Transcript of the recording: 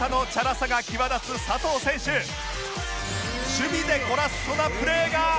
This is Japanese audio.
守備でゴラッソなプレーが！